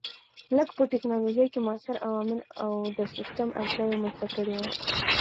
لکه په ټېکنالوجۍ کې موثر عوامل او د سیسټم اجزاوې مو زده کړې وې.